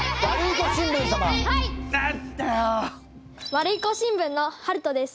ワルイコ新聞のはるとです。